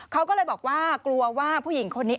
เขาก็เลยบอกว่ากลัวว่าผู้หญิงคนนี้